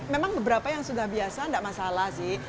memang beberapa yang sudah biasa tidak masalah sih